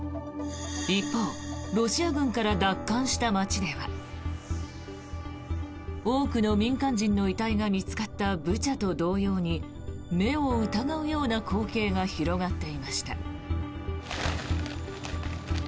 一方、ロシア軍から奪還した街では多くの民間人の遺体が見つかったブチャと同様に目を疑うような光景が広がっていました。